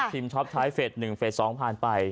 ทีมชอปไทยเฟส๑เฟส๒ผ่านไป